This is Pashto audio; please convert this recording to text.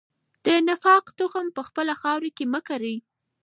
د نفاق تخم په خپله خاوره کې مه کرئ.